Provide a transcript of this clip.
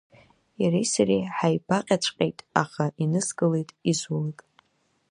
Иареи сареи ҳаибаҟьаҵәҟьеит, аха иныскылеит изулак.